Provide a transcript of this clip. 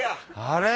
あれ？